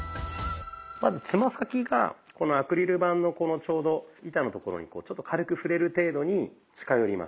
まずつま先がこのアクリル板のちょうど板のところにちょっと軽く触れる程度に近寄ります。